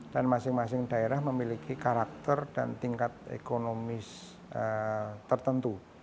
dan masing masing daerah memiliki karakter dan tingkat ekonomis tertentu